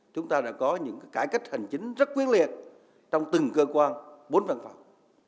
chúng ta đã có những cải cách hành chính rất quyết liệt trong từng cơ quan bốn văn phòng